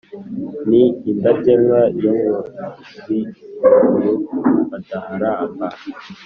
ni indakemwa yo muz' iruguru badaharamba,